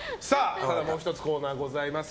ただもう１つコーナーがございます。